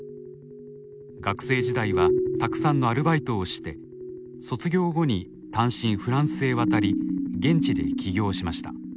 学生時代はたくさんのアルバイトをして卒業後に単身フランスへ渡り現地で起業しました。